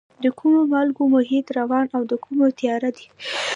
د کومو مالګو محیط روڼ او د کومو تیاره دی؟